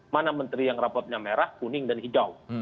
mana menteri yang rapotnya merah kuning dan hijau